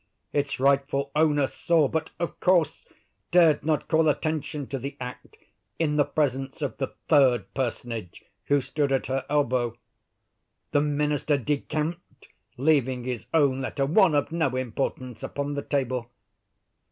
Its rightful owner saw, but, of course, dared not call attention to the act, in the presence of the third personage who stood at her elbow. The minister decamped; leaving his own letter—one of no importance—upon the table."